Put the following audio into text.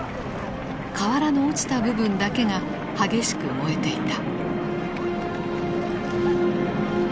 瓦の落ちた部分だけが激しく燃えていた。